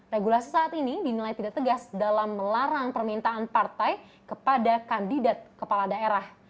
regulasi saat ini dinilai tidak tegas dalam melarang permintaan partai kepada kandidat kepala daerah